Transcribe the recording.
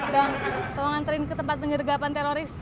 bang tolong anterin ke tempat penyergapan teroris